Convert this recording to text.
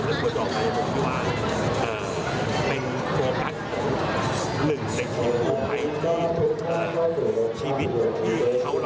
เรื่องได้ออกมาก็จะบอกว่า